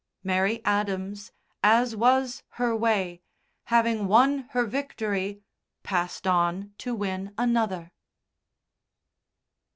Mary Adams, as was her way, having won her victory, passed on to win another.